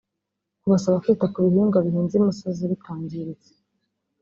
kubasaba kwita ku bihingwa bihinze imusozi bitangiritse